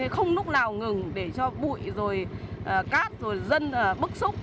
coi như không lúc nào ngừng để cho bụi rồi cát rồi dân bức xúc